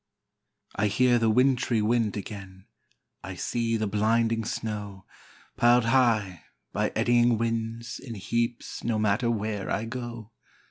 I hear the wintry wind again, I see the blinding snow, Pil'd high, by eddying winds, in heaps, No matter where I go.